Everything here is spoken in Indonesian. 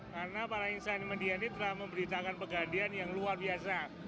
karena para insan media ini telah memberi tangan pegadayan yang luar biasa